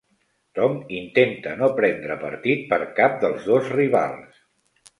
Tom intenta no prendre partit per cap dels dos rivals.